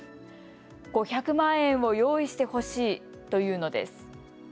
５００万円を用意してほしいと言うのです。